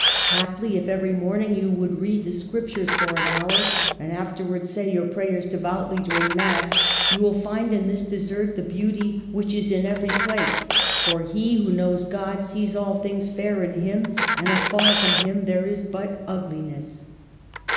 Haply, if every morning you would read the Scriptures for an hour, and afterwards say your prayers devoutly during Mass, you would find in this desert the beauty which is in every place ; for he who knows God sees all things fair in Him, and afar from Him there is but ugliness."